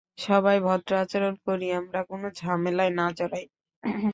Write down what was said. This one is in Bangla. সবাই ভদ্র আচরণ করি আমরা, কোনো ঝামেলায় না জড়াই।